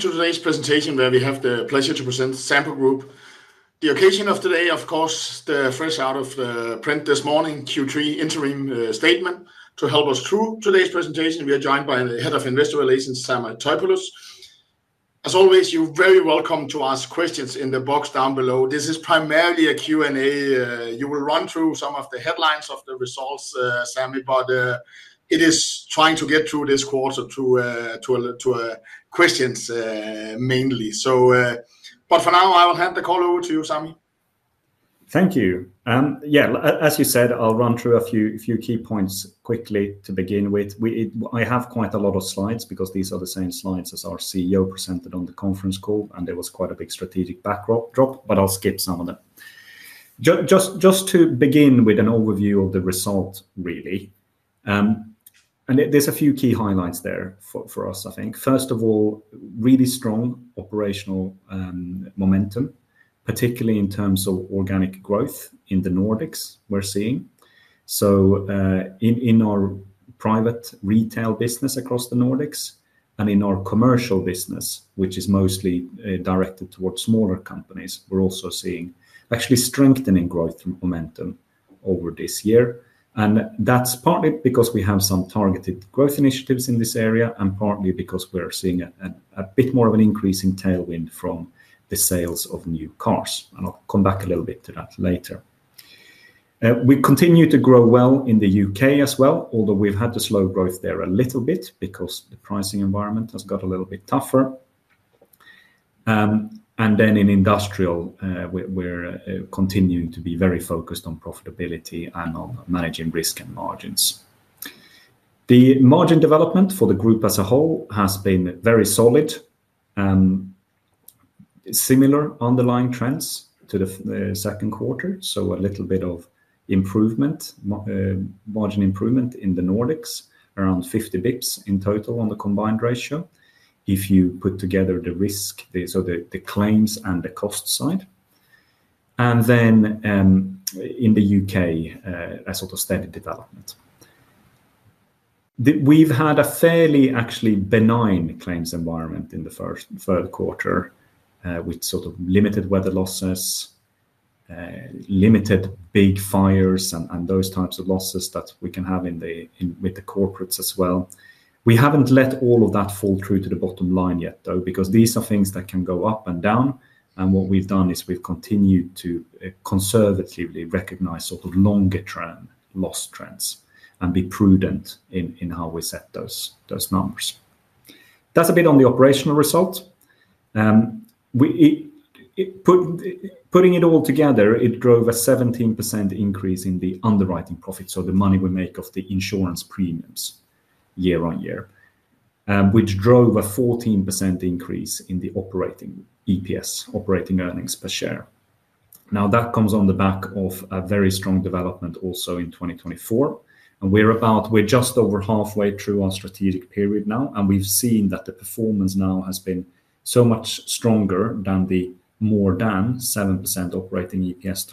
To today's presentation where we have the pleasure to present Sampo Group. The occasion of today, of course, the fresh out of the print this morning, Q3 interim statement. To help us through today's presentation, we are joined by the Head of Investor Relations, Sami Taipalus. As always, you're very welcome to ask questions in the box down below. This is primarily a Q&A. You will run through some of the headlines of the results, Sami, but it is trying to get through this quarter too. Questions. Mainly. For now, I will hand the call over to you, Sami. Thank you. Yeah, as you said, I'll run through a few key points quickly to begin with. I have quite a lot of slides because these are the same slides as our CEO presented on the conference call, and there was quite a big strategic backdrop, but I'll skip some of them. Just to begin with an overview of the result, really. There's a few key highlights there for us, I think. First of all, really strong operational momentum, particularly in terms of organic growth in the Nordics we're seeing. In our private retail business across the Nordics and in our commercial business, which is mostly directed towards smaller companies, we're also seeing actually strengthening growth momentum over this year. That's partly because we have some targeted growth initiatives in this area and partly because we're seeing a bit more of an increase in tailwind from the sales of new cars. I'll come back a little bit to that later. We continue to grow well in the U.K. as well, although we've had to slow growth there a little bit because the pricing environment has got a little bit tougher. In industrial, we're continuing to be very focused on profitability and on managing risk and margins. The margin development for the group as a whole has been very solid. Similar underlying trends to the second quarter, so a little bit of margin improvement in the Nordics, around 50 basis points in total on the combined ratio if you put together the risk, so the claims and the cost side. In the U.K., a sort of steady development. We've had a fairly actually benign claims environment in the third quarter with sort of limited weather losses. Limited big fires, and those types of losses that we can have with the corporates as well. We haven't let all of that fall through to the bottom line yet, though, because these are things that can go up and down. What we've done is we've continued to conservatively recognize sort of longer-term loss trends and be prudent in how we set those numbers. That's a bit on the operational result. Putting it all together, it drove a 17% increase in the underwriting profit, so the money we make off the insurance premiums year on year, which drove a 14% increase in the operating EPS, operating earnings per share. Now, that comes on the back of a very strong development also in 2024. We are just over halfway through our strategic period now, and we have seen that the performance now has been so much stronger than the more than 7% operating EPS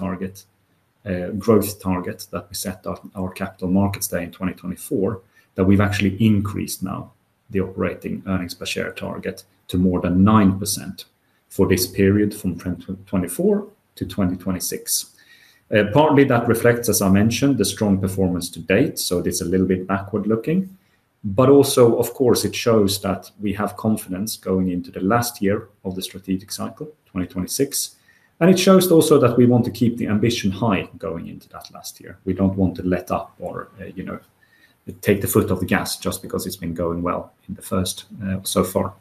growth target that we set at our capital markets day in 2024, that we have actually increased now the operating earnings per share target to more than 9% for this period from 2024 to 2026. Partly that reflects, as I mentioned, the strong performance to date, so it is a little bit backward-looking. Of course, it shows that we have confidence going into the last year of the strategic cycle, 2026. It shows also that we want to keep the ambition high going into that last year. We do not want to let up or take the foot off the gas just because it has been going well in the first so far.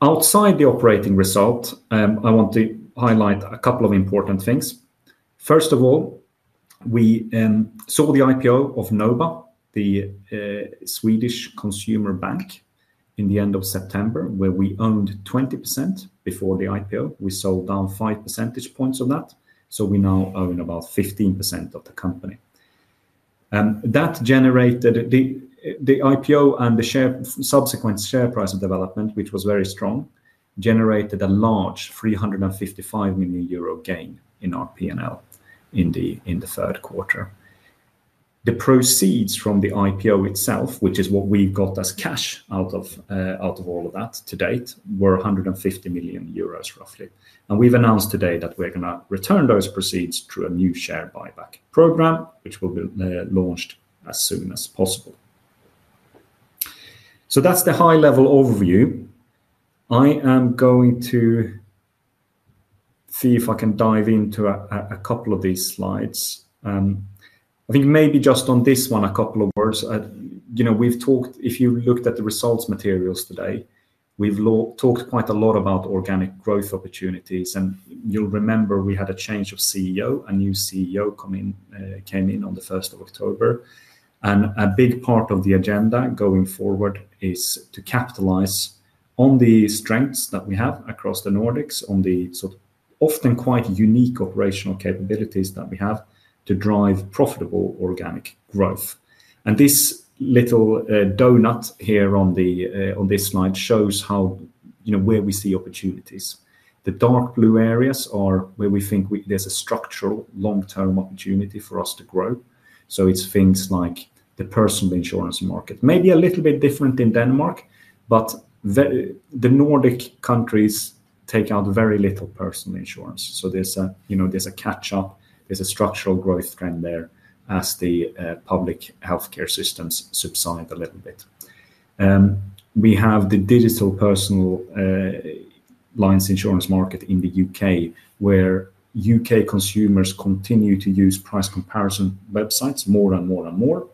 Outside the operating result, I want to highlight a couple of important things. First of all, we saw the IPO of Nova, the Swedish consumer bank, in the end of September, where we owned 20% before the IPO. We sold down five percentage points of that, so we now own about 15% of the company. That generated, the IPO and the subsequent share price development, which was very strong, generated a large 355 million euro gain in our P&L in the third quarter. The proceeds from the IPO itself, which is what we've got as cash out of all of that to date, were 150 million euros roughly. We have announced today that we're going to return those proceeds through a new share buyback program, which will be launched as soon as possible. That's the high-level overview. I am going to. See if I can dive into a couple of these slides. I think maybe just on this one, a couple of words. If you looked at the results materials today, we have talked quite a lot about organic growth opportunities. You will remember we had a change of CEO, a new CEO came in on the 1st of October. A big part of the agenda going forward is to capitalize on the strengths that we have across the Nordics, on the sort of often quite unique operational capabilities that we have to drive profitable organic growth. This little donut here on this slide shows where we see opportunities. The dark blue areas are where we think there is a structural long-term opportunity for us to grow. It is things like the personal insurance market. Maybe a little bit different in Denmark, but. The Nordic countries take out very little personal insurance. There is a catch-up, there is a structural growth trend there as the public healthcare systems subside a little bit. We have the digital personal lines insurance market in the U.K., where U.K. consumers continue to use price comparison websites more and more and more.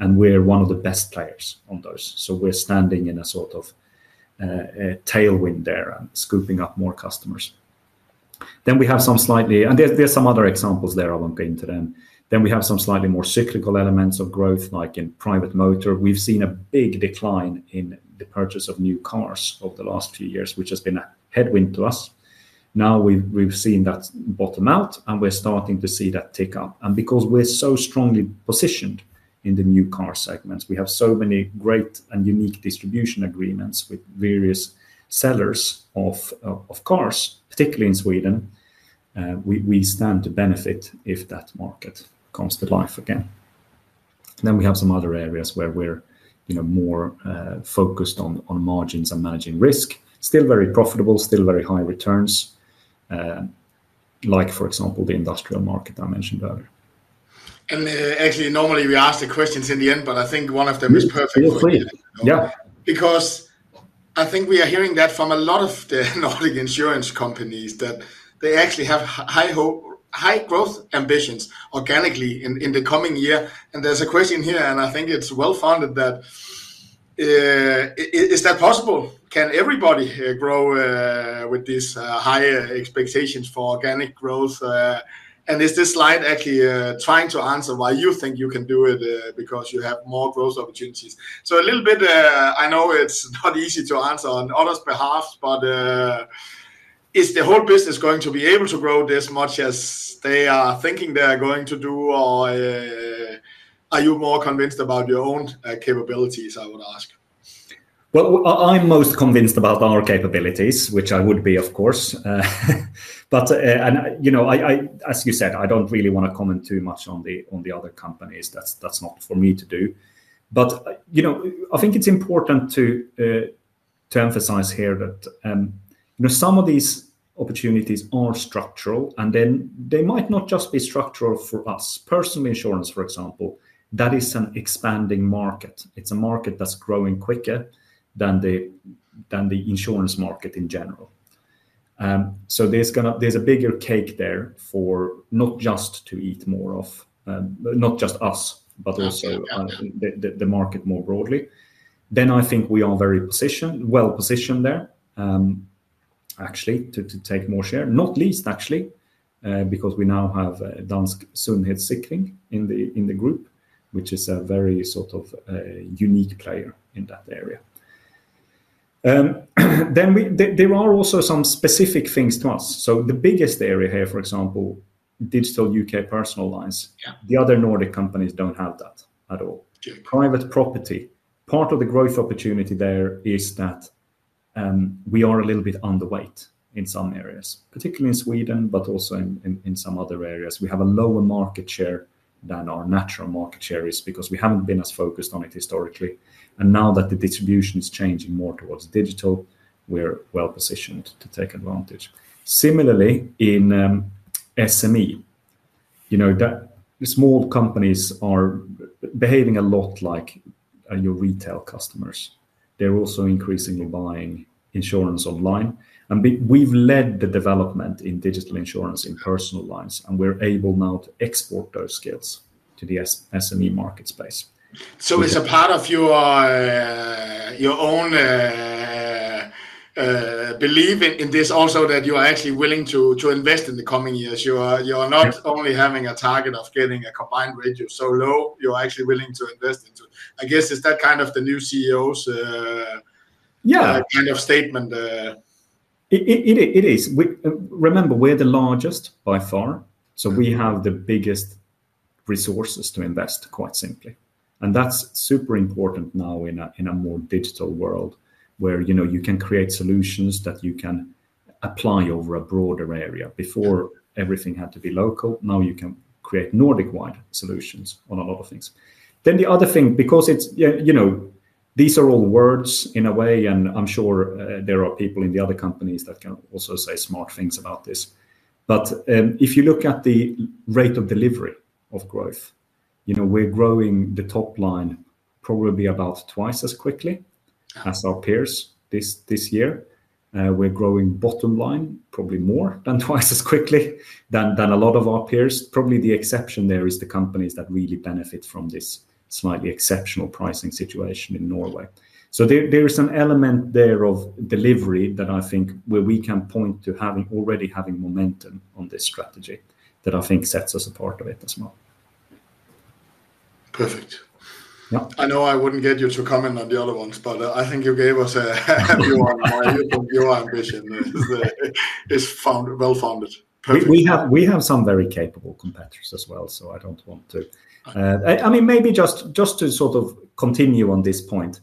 We are one of the best players on those. We are standing in a sort of tailwind there and scooping up more customers. We have some slightly—and there are some other examples there I will not go into them. We have some slightly more cyclical elements of growth, like in private motor. We have seen a big decline in the purchase of new cars over the last few years, which has been a headwind to us. Now we have seen that bottom out, and we are starting to see that tick up. Because we're so strongly positioned in the new car segments, we have so many great and unique distribution agreements with various sellers of cars, particularly in Sweden. We stand to benefit if that market comes to life again. We have some other areas where we're more focused on margins and managing risk. Still very profitable, still very high returns. Like, for example, the industrial market I mentioned earlier. Actually, normally we ask the questions in the end, but I think one of them is perfect. Feel free. Because I think we are hearing that from a lot of the Nordic insurance companies that they actually have high growth ambitions organically in the coming year. There is a question here, and I think it is well-founded. Is that possible? Can everybody grow with these high expectations for organic growth? Is this slide actually trying to answer why you think you can do it because you have more growth opportunities? A little bit, I know it is not easy to answer on others' behalf, but is the whole business going to be able to grow this much as they are thinking they are going to do? Are you more convinced about your own capabilities, I would ask? I'm most convinced about our capabilities, which I would be, of course. As you said, I don't really want to comment too much on the other companies. That's not for me to do. I think it's important to emphasize here that some of these opportunities are structural, and then they might not just be structural for us. Personal insurance, for example, that is an expanding market. It's a market that's growing quicker than the insurance market in general. There's a bigger cake there for not just us to eat more of, not just us, but also the market more broadly. I think we are very well positioned there, actually, to take more share. Not least, actually, because we now have Danske Sundheds Sikring in the group, which is a very sort of unique player in that area. There are also some specific things to us. The biggest area here, for example, digital U.K. personal lines. The other Nordic companies do not have that at all. Private property. Part of the growth opportunity there is that we are a little bit underweight in some areas, particularly in Sweden, but also in some other areas. We have a lower market share than our natural market share is because we have not been as focused on it historically. Now that the distribution is changing more towards digital, we are well positioned to take advantage. Similarly, in SME. Small companies are behaving a lot like your retail customers. They are also increasingly buying insurance online. We have led the development in digital insurance in personal lines, and we are able now to export those skills to the SME market space. It's a part of your own belief in this also that you are actually willing to invest in the coming years. You are not only having a target of getting a combined ratio so low, you're actually willing to invest into it. I guess is that kind of the new CEO's kind of statement? It is. Remember, we're the largest by far. We have the biggest resources to invest, quite simply. That's super important now in a more digital world where you can create solutions that you can apply over a broader area. Before everything had to be local, now you can create Nordic-wide solutions on a lot of things. The other thing, because these are all words in a way, and I'm sure there are people in the other companies that can also say smart things about this. If you look at the rate of delivery of growth, we're growing the top line probably about twice as quickly as our peers this year. We're growing bottom line probably more than twice as quickly than a lot of our peers. Probably the exception there is the companies that really benefit from this slightly exceptional pricing situation in Norway. There is an element there of delivery that I think where we can point to already having momentum on this strategy that I think sets us apart a bit as well. Perfect. I know I wouldn't get you to comment on the other ones, but I think you gave us a view on our view on ambition. It's well-founded. Perfect. We have some very capable competitors as well, so I don't want to. I mean, maybe just to sort of continue on this point.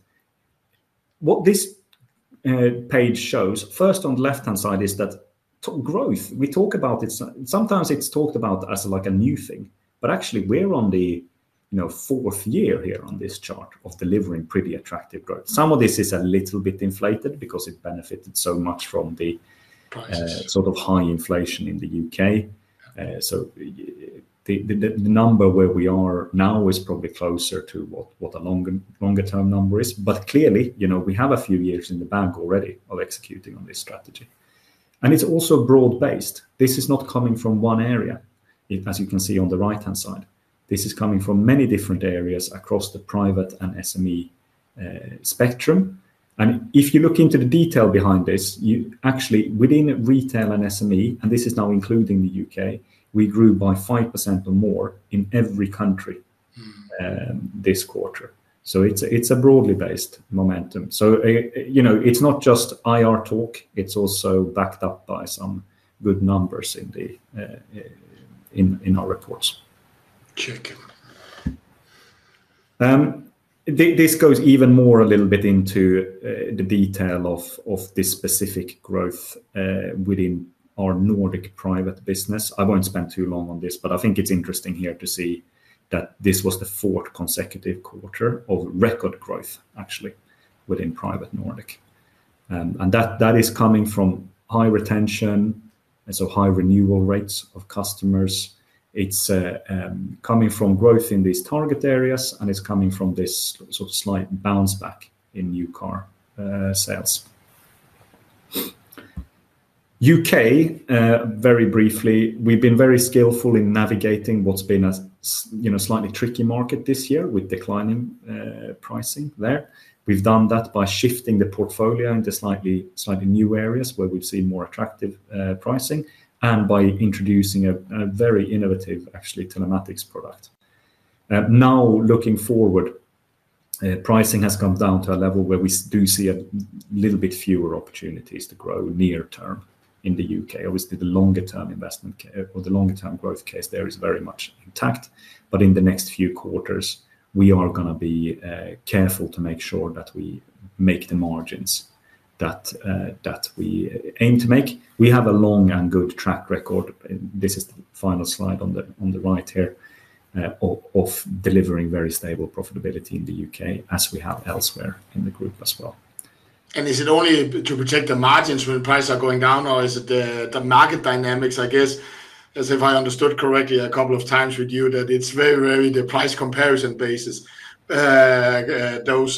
What this page shows, first on the left-hand side is that growth, we talk about it, sometimes it's talked about as like a new thing, but actually we're on the fourth year here on this chart of delivering pretty attractive growth. Some of this is a little bit inflated because it benefited so much from the sort of high inflation in the U.K. The number where we are now is probably closer to what a longer-term number is. Clearly, we have a few years in the bank already of executing on this strategy. It's also broad-based. This is not coming from one area, as you can see on the right-hand side. This is coming from many different areas across the private and SME. Spectrum. If you look into the detail behind this, actually within retail and SME, and this is now including the U.K., we grew by 5% or more in every country this quarter. It is a broadly based momentum. It is not just IR talk. It is also backed up by some good numbers in our reports. Check. This goes even more a little bit into the detail of this specific growth within our Nordic private business. I won't spend too long on this, but I think it's interesting here to see that this was the fourth consecutive quarter of record growth, actually, within private Nordic. That is coming from high retention and so high renewal rates of customers. It's coming from growth in these target areas, and it's coming from this sort of slight bounce back in new car sales. U.K., very briefly, we've been very skillful in navigating what's been a slightly tricky market this year with declining pricing there. We've done that by shifting the portfolio into slightly new areas where we've seen more attractive pricing and by introducing a very innovative, actually, telematics product. Now, looking forward. Pricing has come down to a level where we do see a little bit fewer opportunities to grow near-term in the U.K. Obviously, the longer-term investment or the longer-term growth case there is very much intact. In the next few quarters, we are going to be careful to make sure that we make the margins that we aim to make. We have a long and good track record. This is the final slide on the right here of delivering very stable profitability in the U.K. as we have elsewhere in the group as well. Is it only to protect the margins when prices are going down, or is it the market dynamics, I guess? As if I understood correctly a couple of times with you, that it's very, very the price comparison basis. Those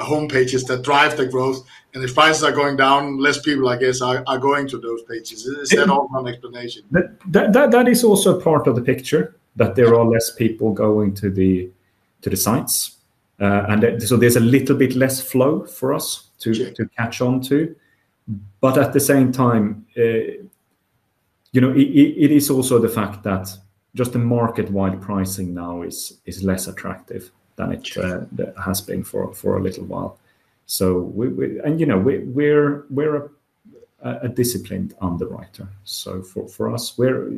homepages that drive the growth. And if prices are going down, less people, I guess, are going to those pages. Is that all one explanation? That is also part of the picture, that there are less people going to the sites, and so there's a little bit less flow for us to catch on to. At the same time, it is also the fact that just the market-wide pricing now is less attractive than it has been for a little while. We're a disciplined underwriter. For us, we're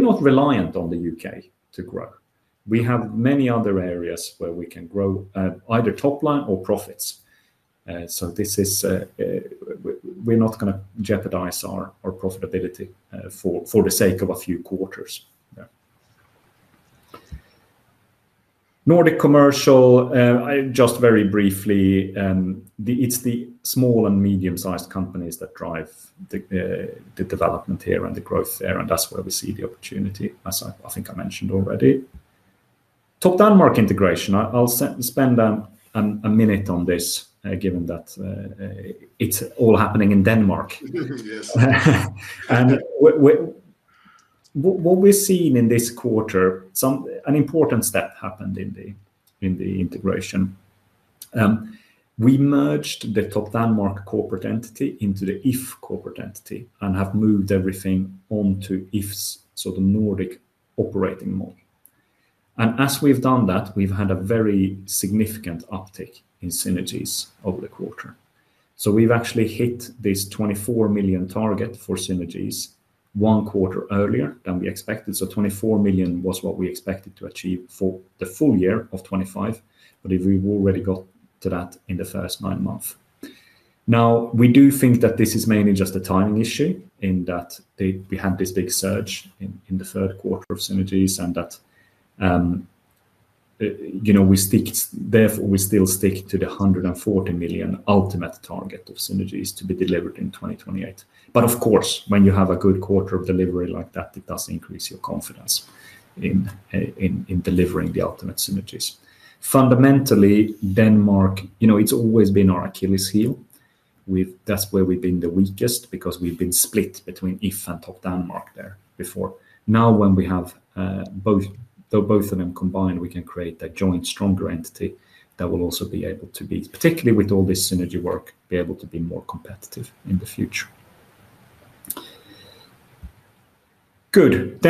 not reliant on the U.K. to grow. We have many other areas where we can grow either top line or profits. We're not going to jeopardize our profitability for the sake of a few quarters. Nordic commercial, just very briefly. It's the small and medium-sized companies that drive the development here and the growth there, and that's where we see the opportunity, as I think I mentioned already. Top Denmark integration. I'll spend a minute on this, given that. It's all happening in Denmark. What we've seen in this quarter, an important step happened in the integration. We merged the Top Denmark corporate entity into the IF corporate entity and have moved everything onto IF's sort of Nordic operating model. As we've done that, we've had a very significant uptick in synergies over the quarter. We've actually hit this 24 million target for synergies one quarter earlier than we expected. 24 million was what we expected to achieve for the full year of 2025, but we've already got to that in the first nine months. We do think that this is mainly just a timing issue in that we had this big surge in the third quarter of synergies and that therefore we still stick to the 140 million ultimate target of synergies to be delivered in 2028. Of course, when you have a good quarter of delivery like that, it does increase your confidence in delivering the ultimate synergies. Fundamentally, Denmark, it's always been our Achilles heel. That's where we've been the weakest because we've been split between IF and Top Denmark there before. Now, when we have both of them combined, we can create a joint stronger entity that will also be able to be, particularly with all this synergy work, be able to be more competitive in the future. Good.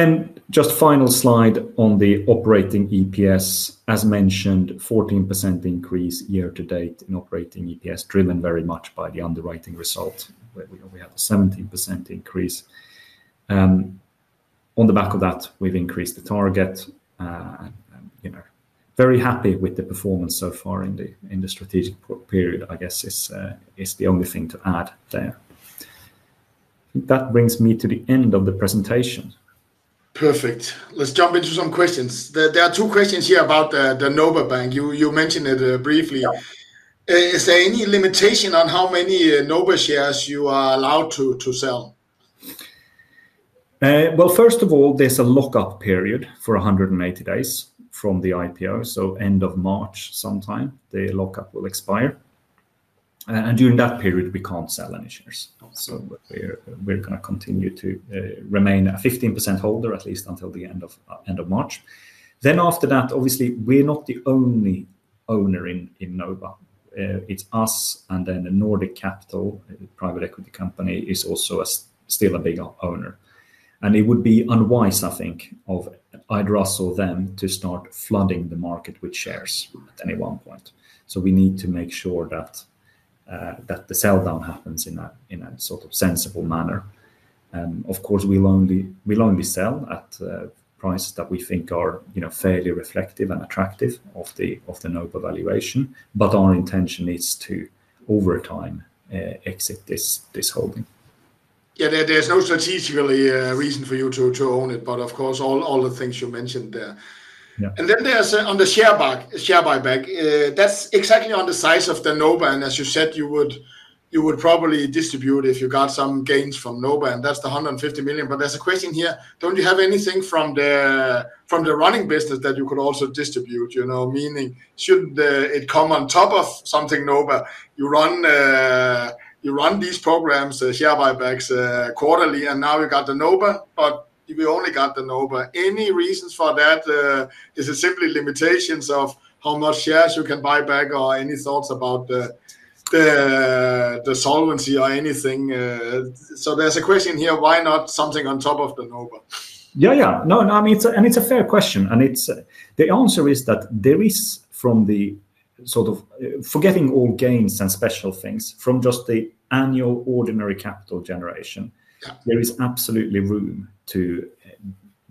Just final slide on the operating EPS. As mentioned, 14% increase year to date in operating EPS, driven very much by the underwriting result. We have a 17% increase. On the back of that, we've increased the target. Very happy with the performance so far in the strategic period, I guess is the only thing to add there. I think that brings me to the end of the presentation. Perfect. Let's jump into some questions. There are two questions here about the Nova Bank. You mentioned it briefly. Is there any limitation on how many Nova shares you are allowed to sell? First of all, there is a lockup period for 180 days from the IPO. End of March sometime, the lockup will expire. During that period, we cannot sell any shares. We are going to continue to remain a 15% holder, at least until the end of March. After that, obviously, we are not the only owner in Nova. It is us and then Nordic Capital, a private equity company, is also still a big owner. It would be unwise, I think, of either us or them to start flooding the market with shares at any one point. We need to make sure that the sell down happens in a sort of sensible manner. Of course, we will only sell at prices that we think are fairly reflective and attractive of the Nova valuation. Our intention is to over time exit this holding. Yeah, there's no strategic reason for you to own it, but of course, all the things you mentioned there. Then there's on the share buyback, that's exactly on the size of the Nova. As you said, you would probably distribute if you got some gains from Nova, and that's the 150 million. There's a question here. Don't you have anything from the running business that you could also distribute? Meaning, shouldn't it come on top of something Nova? You run these programs, share buybacks quarterly, and now you got the Nova, but we only got the Nova. Any reasons for that? Is it simply limitations of how much shares you can buy back or any thoughts about the solvency or anything? There's a question here. Why not something on top of the Nova? Yeah, yeah. No, and it's a fair question. The answer is that there is, from the sort of forgetting all gains and special things, from just the annual ordinary capital generation, there is absolutely room to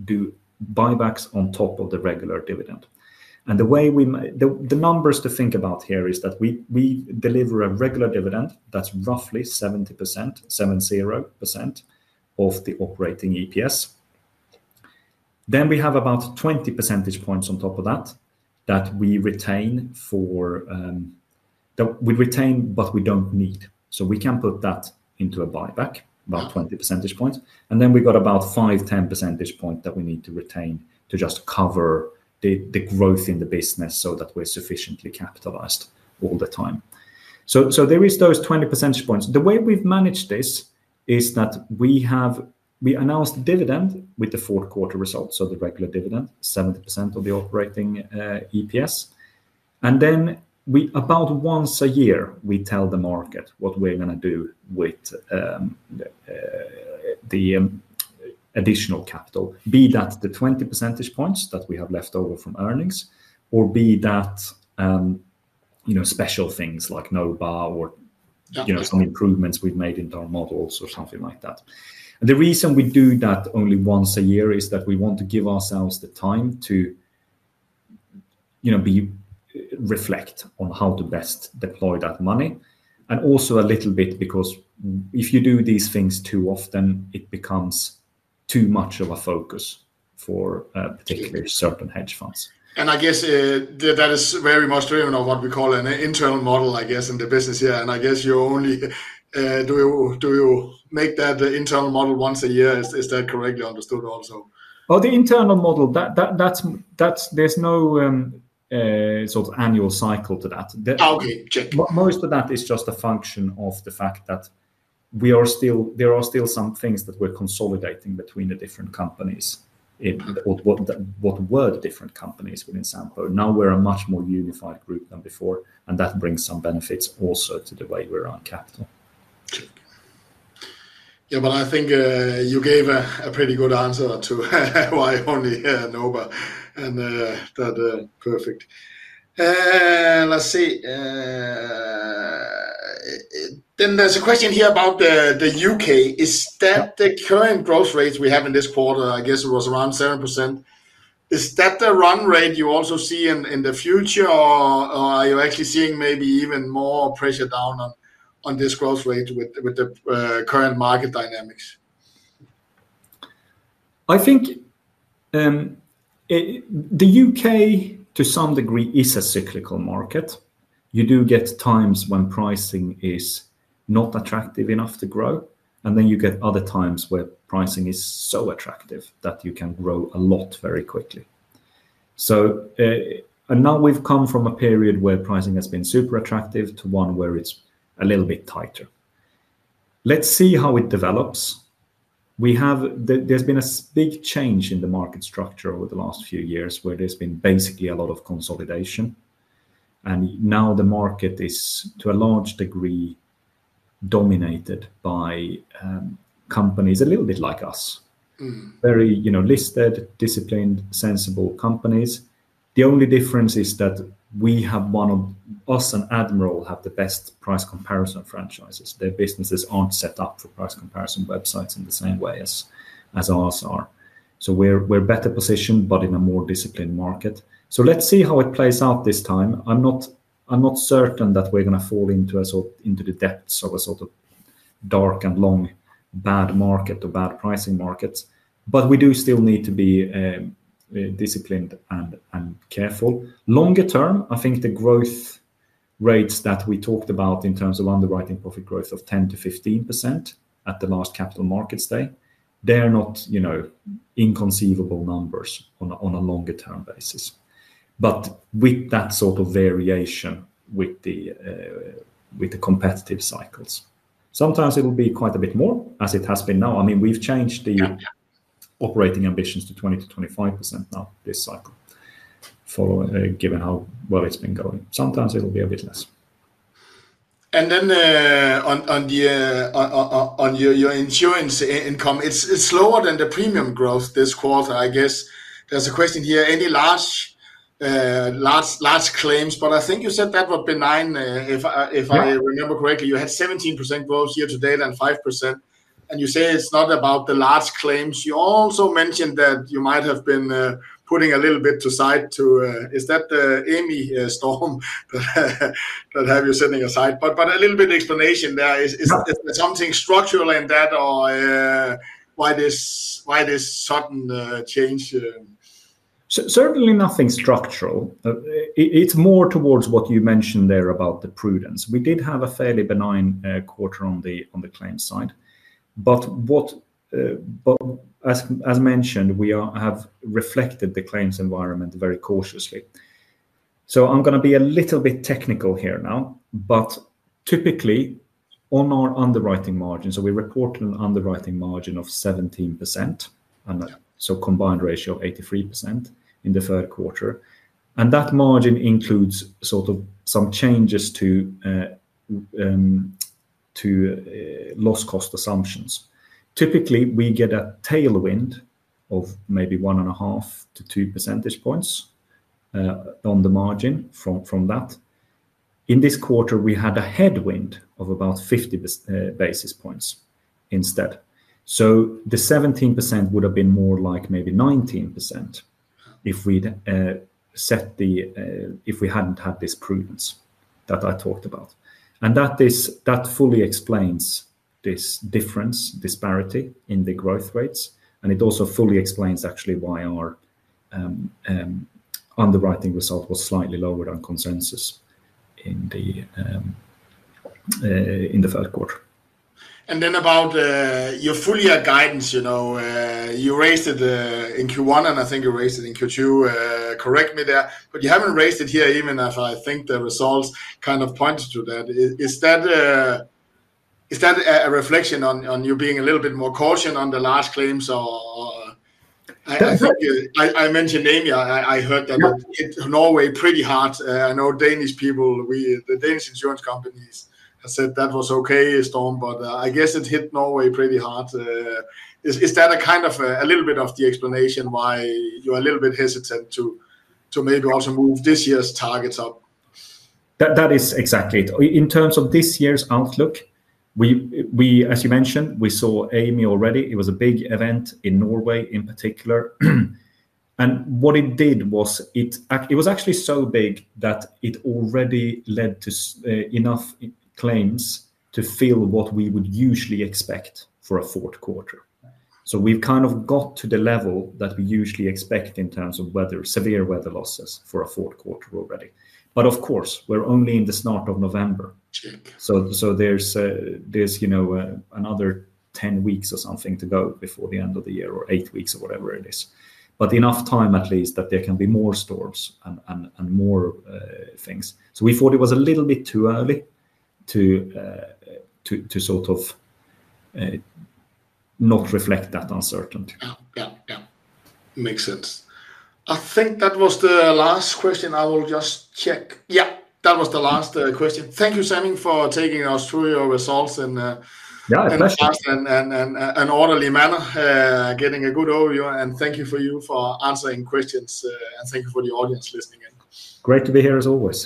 do buybacks on top of the regular dividend. The way the numbers to think about here is that we deliver a regular dividend that's roughly 70% of the operating EPS. Then we have about 20 percentage points on top of that that we retain for, we retain, but we do not need. We can put that into a buyback, about 20 percentage points. Then we have about 5-10 percentage points that we need to retain to just cover the growth in the business so that we are sufficiently capitalized all the time. There are those 20 percentage points. The way we've managed this is that we announced the dividend with the fourth quarter results. The regular dividend, 70% of the operating EPS. Then about once a year, we tell the market what we're going to do with the additional capital, be that the 20 percentage points that we have left over from earnings, or be that special things like Nova or some improvements we've made in our models or something like that. The reason we do that only once a year is that we want to give ourselves the time to reflect on how to best deploy that money. Also, a little bit because if you do these things too often, it becomes too much of a focus for particularly certain hedge funds. I guess that is very much driven on what we call an internal model, I guess, in the business here. I guess you only make that internal model once a year. Is that correctly understood also? The internal model, there's no sort of annual cycle to that. Okay. Most of that is just a function of the fact that there are still some things that we're consolidating between the different companies. What were the different companies within Sampo? Now we're a much more unified group than before. That brings some benefits also to the way we run capital. Yeah, but I think you gave a pretty good answer to why only Nova. That. Perfect. Let's see. There's a question here about the U.K. Is that the current growth rate we have in this quarter? I guess it was around 7%. Is that the run rate you also see in the future, or are you actually seeing maybe even more pressure down on this growth rate with the current market dynamics? I think. The U.K., to some degree, is a cyclical market. You do get times when pricing is not attractive enough to grow. You get other times where pricing is so attractive that you can grow a lot very quickly. Now we've come from a period where pricing has been super attractive to one where it's a little bit tighter. Let's see how it develops. There's been a big change in the market structure over the last few years where there's been basically a lot of consolidation. Now the market is, to a large degree, dominated by companies a little bit like us. Very listed, disciplined, sensible companies. The only difference is that we and Admiral have the best price comparison franchises. Their businesses aren't set up for price comparison websites in the same way as ours are. We're better positioned, but in a more disciplined market. Let's see how it plays out this time. I'm not certain that we're going to fall into the depths of a sort of dark and long bad market or bad pricing markets. We do still need to be disciplined and careful. Longer term, I think the growth rates that we talked about in terms of underwriting profit growth of 10-15% at the last capital markets day, they're not inconceivable numbers on a longer-term basis. With that sort of variation with the competitive cycles, sometimes it will be quite a bit more, as it has been now. I mean, we've changed the operating ambitions to 20-25% now this cycle, given how well it's been going. Sometimes it'll be a bit less. On your insurance income, it's slower than the premium growth this quarter, I guess. There's a question here. Any large claims? I think you said that would be nine if I remember correctly. You had 17% growth year to date and 5%. You say it's not about the large claims. You also mentioned that you might have been putting a little bit to side. Is that the Amy Storm that have you setting aside? A little bit of explanation there. Is there something structural in that, or why this sudden change? Certainly nothing structural. It is more towards what you mentioned there about the prudence. We did have a fairly benign quarter on the claim side. As mentioned, we have reflected the claims environment very cautiously. I am going to be a little bit technical here now. Typically, on our underwriting margin, we reported an underwriting margin of 17%. Combined ratio of 83% in the third quarter. That margin includes some changes to loss cost assumptions. Typically, we get a tailwind of maybe one and a half to two percentage points on the margin from that. In this quarter, we had a headwind of about 50 basis points instead. The 17% would have been more like maybe 19% if we had not had this prudence that I talked about. That fully explains this difference, disparity in the growth rates. It also fully explains actually why our underwriting result was slightly lower than consensus in the third quarter. About your full year guidance. You raised it in Q1, and I think you raised it in Q2. Correct me there. You have not raised it here even if I think the results kind of point to that. Is that a reflection on you being a little bit more cautious on the large claims? I think I mentioned Amy. I heard that Norway pretty hard. I know Danish people, the Danish insurance companies have said that was okay, storm, but I guess it hit Norway pretty hard. Is that a kind of a little bit of the explanation why you are a little bit hesitant to maybe also move this year's targets up? That is exactly it. In terms of this year's outlook. As you mentioned, we saw Amy already. It was a big event in Norway in particular. What it did was it was actually so big that it already led to enough claims to fill what we would usually expect for a fourth quarter. We have kind of got to the level that we usually expect in terms of severe weather losses for a fourth quarter already. Of course, we are only in the start of November. There is another 10 weeks or something to go before the end of the year, or eight weeks or whatever it is. Enough time at least that there can be more storms and more things. We thought it was a little bit too early to sort of not reflect that uncertainty. Yeah, yeah. Makes sense. I think that was the last question. I will just check. Yeah, that was the last question. Thank you, Sami, for taking us through your results in. Yeah, a pleasure. Fast and orderly manner, getting a good overview. Thank you for answering questions. Thank you for the audience listening in. Great to be here as always.